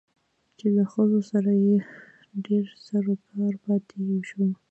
چې له ښځو سره يې ډېر سرو کارو پاتې شوى